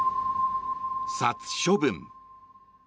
殺処分。